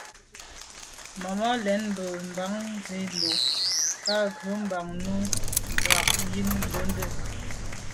Màmá lɛ̀n mbə̄ mbǎŋ zí lú à gə́ bɑ̌m bú nǔ mwà’nì ndə̂ndə́.